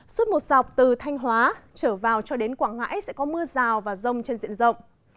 suốt một dọc từ thanh hóa trở vào cho đến quảng ngãi sẽ có mưa rào và rông trên diện rộng